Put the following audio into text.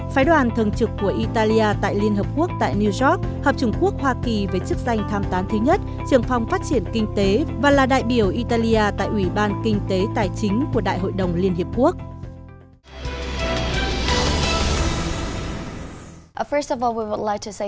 phái đoàn thường trực của italia tại liên hợp quốc tại new york hợp chủng quốc hoa kỳ với chức danh tham tán thứ nhất trưởng phòng phát triển kinh tế và là đại biểu italia tại ủy ban kinh tế tài chính của đại hội đồng liên hiệp quốc